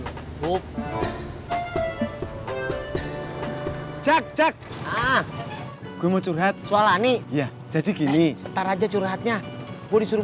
hai buf jak jak gue mau curhat soalani ya jadi gini setar aja curhatnya gue disuruh